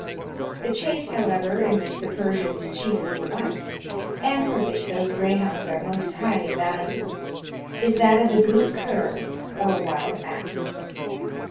The chase, however, in which the Persians chiefly delight, and for which those greyhounds are most highly valued, is that of the ghoo khur, or wild ass.